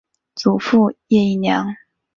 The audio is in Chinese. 祖父叶益良。